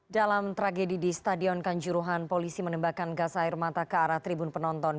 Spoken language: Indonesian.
dalam tragedi di stadion kanjuruhan polisi menembakkan gas air mata ke arah tribun penonton